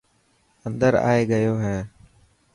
اندر آئي گيو هي.